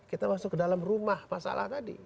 kita masuk ke dalam rumah masalah tadi